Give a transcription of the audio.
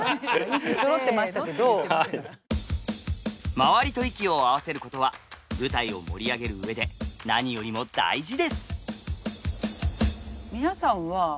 周りと息を合わせることは舞台を盛り上げる上で何よりも大事です。